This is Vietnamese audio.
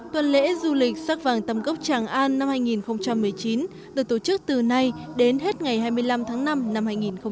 tuần lễ du lịch sắc vàng tâm cốc tràng an năm hai nghìn một mươi chín được tổ chức từ nay đến hết ngày hai mươi năm tháng năm năm hai nghìn một mươi chín